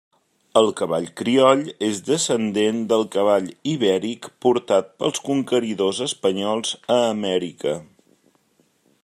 El cavall crioll és descendent del cavall ibèric portat pels conqueridors espanyols a Amèrica.